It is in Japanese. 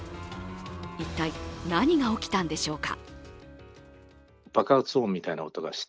一体、何が起きたんでしょうか。